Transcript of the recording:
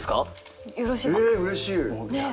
えうれしい。